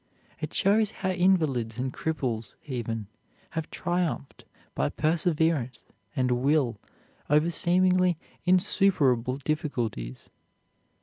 It shows how invalids and cripples even have triumphed by perseverance and will over seemingly insuperable difficulties.